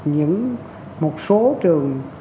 những một số trường